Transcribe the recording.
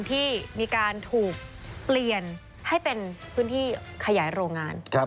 ที่มีการถูกเปลี่ยนให้เป็นพื้นที่ขยายโรงงาน